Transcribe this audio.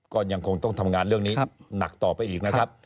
ก็ยังคงต้องทำงานเรื่องนี้หนักต่อไปอีกนะครับ